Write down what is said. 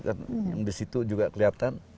yang disitu juga kelihatan